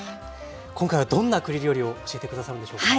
今回はどんな栗料理を教えて下さるんでしょうか？